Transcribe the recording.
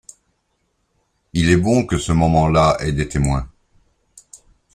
Il est bon que ce moment-là ait des témoins.